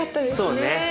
そうだね。